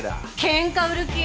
ケンカ売る気？